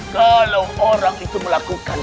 kalau orang itu melakukan